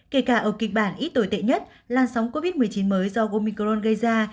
kể cả ở kịch bản ít tồi tệ nhất lan sóng covid một mươi chín mới do omicron gây ra